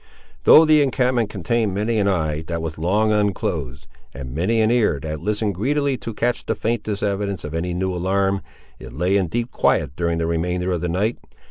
Though the encampment contained many an eye that was long unclosed, and many an ear that listened greedily to catch the faintest evidence of any new alarm, it lay in deep quiet during the remainder of the night.